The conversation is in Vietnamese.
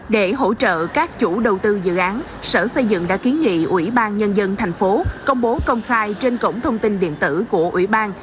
để hỗ trợ các chủ đầu tư dự án sở xây dựng đã kiến nghị ủy ban nhân dân thành phố công bố công khai trên cổng thông tin điện tử của ủy ban